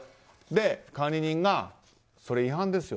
管理人がそれ、違反ですよ。